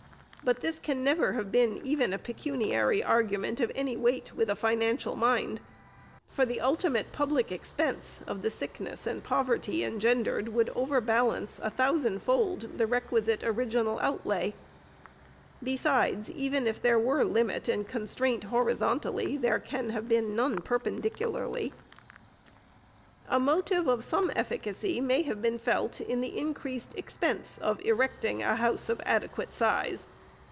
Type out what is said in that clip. Bat this can never have been even a pecuniary argument of any weight with a financial mind ; for the ultimate public expense of the sickness and poverty engendered would overbalance, a thousand fold, the requisite original outlay. Besides, even if there were limit and constraint horizontally, there can have been none perpendicularly. A motive of some efficacy may have been felt in the increased expense of erecting a house of adequate size.